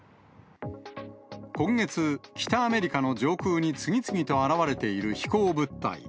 今月、北アメリカの上空に次々と現れている飛行物体。